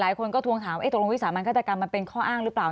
หลายคนก็ทวงถามตกลงวิสามันฆาตกรรมมันเป็นข้ออ้างหรือเปล่า